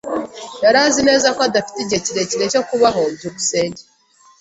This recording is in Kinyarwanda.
Yari azi neza ko adafite igihe kirekire cyo kubaho. byukusenge